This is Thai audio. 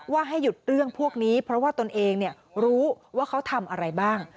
ให้หยุดเรื่องพวกนี้เพราะว่าตนเองรู้ว่าเขาทำอะไรบ้าง